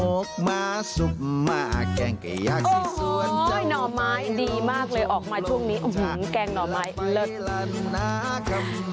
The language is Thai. โอ้โฮปุ๊บหน่อยดีมากสุดออกมาช่วงนี้กันความรอนไหมอุ้ย